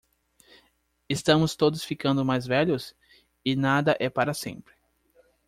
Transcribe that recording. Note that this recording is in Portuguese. Estamos todos ficando mais velhos? e nada é para sempre.